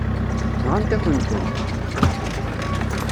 Nɣant-akent-ten.